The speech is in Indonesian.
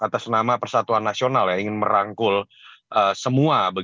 atas nama persatuan nasional yang ingin merangkul semua